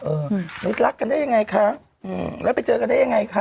รักกันได้ยังไงคะอืมแล้วไปเจอกันได้ยังไงคะ